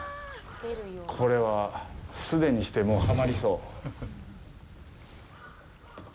これは、既にして、もうはまりそう。